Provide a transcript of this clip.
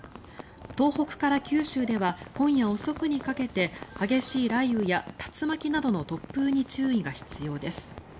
東北から九州では今夜遅くにかけて激しい雷雨や竜巻などの突風に注意が必要です。